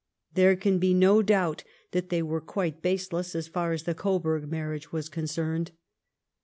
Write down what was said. There can be no doubt that they were quite baseless as far as the Coburg marriage was concerned.